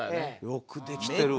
よくできてるわ。